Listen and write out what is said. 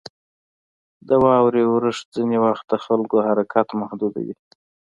• د واورې اورښت ځینې وخت د خلکو حرکت محدودوي.